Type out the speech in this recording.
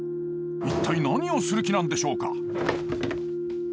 一体何をする気なんでしょうか？